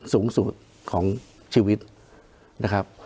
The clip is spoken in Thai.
สูงสุดของชีวิตนะครับ